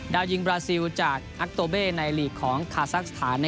ยิงบราซิลจากอักโตเบ้ในลีกของคาซักสถาน